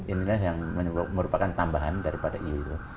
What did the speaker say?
inilah yang merupakan tambahan daripada iq itu